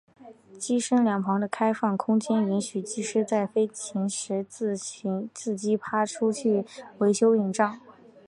机身两旁的开放空间允许技师在飞行时自机舱爬出去维修引擎。